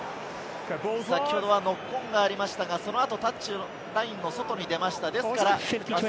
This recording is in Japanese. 先ほどノックオンがありましたがその後、タッチがラインの外に出ました。